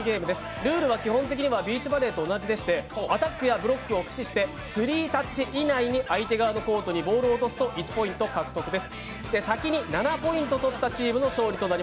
ルールは基本的にはビーチバレーと同じでしてアタックやブロックを駆使して３タッチ以内に相手側にコートにボールを落とすと１ポイント獲得です。